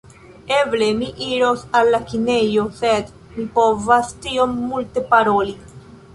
Eble, mi iros al la kinejo sed mi ne povas tiom multe paroli